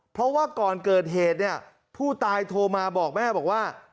เพราะว่าก่อนเกิดเหตุเนี่ยผู้ตายโทรมาบอกแม่บอกว่า